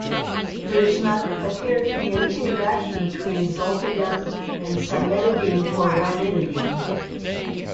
There does not appear to be any interaction between zolpidem and cimetidine or ranitidine.